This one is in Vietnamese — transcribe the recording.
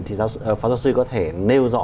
thì pháp giáo sư có thể nêu rõ